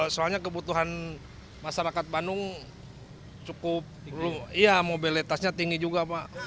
soalnya kebutuhan masyarakat bandung cukup mobilitasnya tinggi juga